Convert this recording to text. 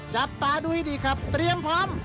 จับตาดูให้ดีครับเตรียมพร้อม